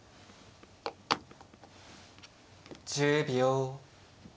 １０秒。